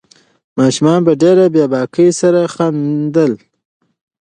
ماشوم په ډېرې بې باکۍ سره خندل.